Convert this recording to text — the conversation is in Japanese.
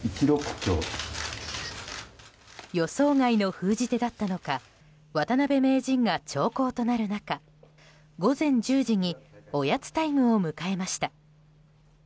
予想外の封じ手だったのか渡辺名人が長考となる中午前１０時におやつタイムを迎えました。